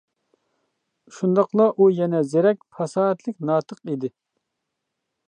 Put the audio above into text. شۇنداقلا ئۇ يەنە زېرەك، پاساھەتلىك ناتىق ئىدى.